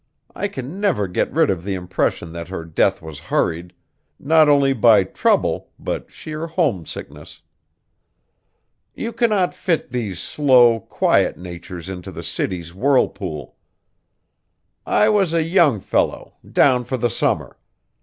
I can never get rid of the impression that her death was hurried, not only by trouble, but sheer homesickness. You cannot fit these slow, quiet natures into the city's whirlpool. I was a young fellow, down for the summer.